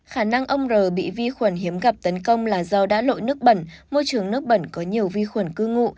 khả năng ông r bị vi khuẩn hiếm gặp tấn công là do đã lội nước bẩn môi trường nước bẩn có nhiều vi khuẩn cư ngụ